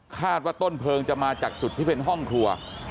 คาดว่าต้นเพลิงจะมาจากจุดที่เป็นห้องครัว